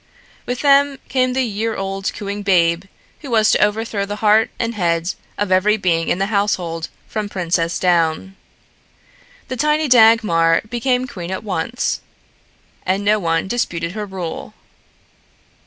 With them came the year old cooing babe who was to overthrow the heart and head of every being in the household, from princess down. The tiny Dagmar became queen at once, and no one disputed her rule.